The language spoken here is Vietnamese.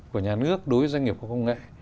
của nhà nước đối với doanh nghiệp khoa học công nghệ